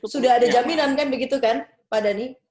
sudah ada jaminan kan begitu kan pak dhani